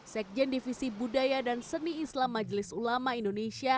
sekjen divisi budaya dan seni islam majelis ulama indonesia